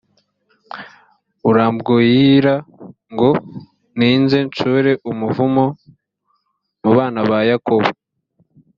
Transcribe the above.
arambwoira ngo ninze nshore umuvumo mu bana ba yakobo.